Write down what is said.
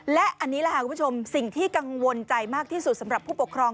และอันนี้แหละค่ะคุณผู้ชมสิ่งที่กังวลใจมากที่สุดสำหรับผู้ปกครอง